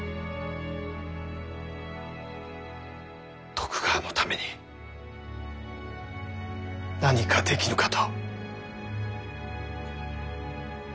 徳川のために何かできぬかと。